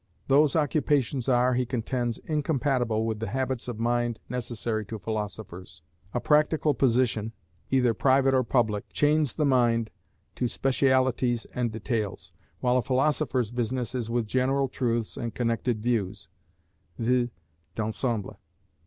Those occupations are, he contends, incompatible with the habits of mind necessary to philosophers. A practical position, either private or public, chains the mind to specialities and details, while a philosopher's business is with general truths and connected views (vues d'ensemble).